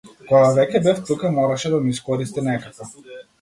Кога веќе бев тука мораше да ме искористи некако.